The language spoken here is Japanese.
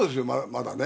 まだね。